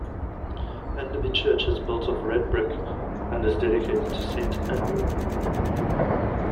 Anderby church is built of red brick, and is dedicated to Saint Andrew.